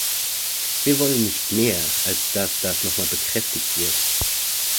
Wir wollen nicht mehr, als dass das nochmals bekräftigt wird.